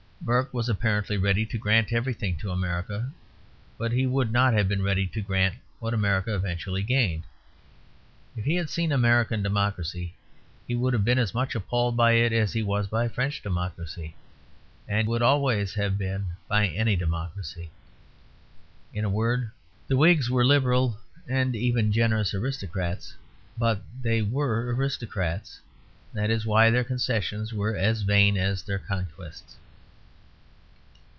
Burke was apparently ready to grant everything to America; but he would not have been ready to grant what America eventually gained. If he had seen American democracy, he would have been as much appalled by it as he was by French democracy, and would always have been by any democracy. In a word, the Whigs were liberal and even generous aristocrats, but they were aristocrats; that is why their concessions were as vain as their conquests.